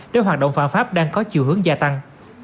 để hoạt động phạm pháp đang có chiều hướng gia tăng